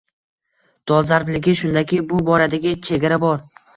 Dolzarbligi shundaki, bu boradagi chegara bor.